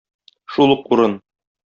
Шул ук урын.